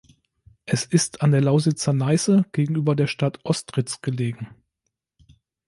Es ist an der Lausitzer Neiße gegenüber der Stadt Ostritz gelegen.